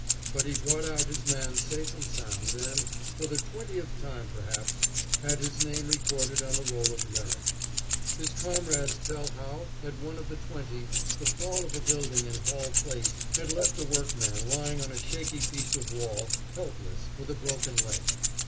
But he brought out his man safe and sound, and, for the twentieth time perhaps, had his name recorded on the roll of merit. His comrades tell how, at one of the twenty, the fall of a building in Hall Place had left a workman lying on a shaky piece of wall, helpless, with a broken leg.